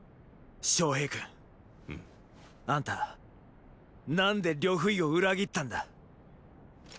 昌平君。？あんた何で呂不韋を裏切ったんだ？